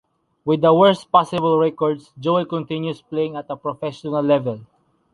With the worst possible records, Joel continues playing at a professional level.